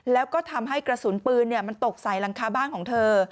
แล้วก็ทำให้กระสุนปืนมันตกใส่หลังคาบ้านของเธอ